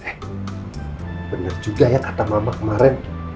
eh benar juga ya kata mama kemarin